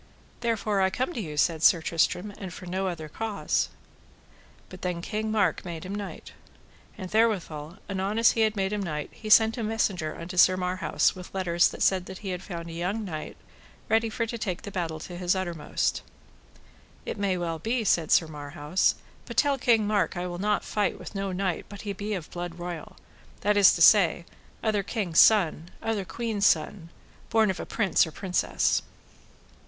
Therefore I come to you, said Sir Tristram, and for none other cause. But then King Mark made him knight. And therewithal, anon as he had made him knight, he sent a messenger unto Sir Marhaus with letters that said that he had found a young knight ready for to take the battle to the uttermost. It may well be, said Sir Marhaus; but tell King Mark I will not fight with no knight but he be of blood royal, that is to say, other king's son, other queen's son, born of a prince or princess.